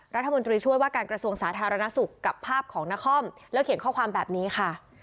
รัฐมนตรีช่วยว่าการกระทรวงสาธารณสุขกับภาพของนครแล้วเขียนข้อความแบบนี้ค่ะ